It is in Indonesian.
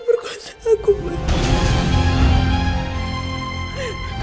diperkuasa aku mbak